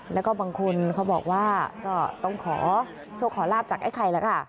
แล้วก็บางคนเขาบอกว่าก็ต้องขอโชคขอลาบจากไอ้ไข่แล้วค่ะ